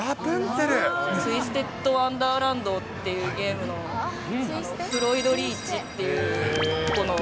ツイステッドワンダーランドっていう、ゲームの、フロイド・リーチっていう。